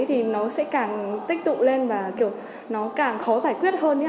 thì nó sẽ càng tích tụ lên và kiểu nó càng khó giải quyết hơn nhé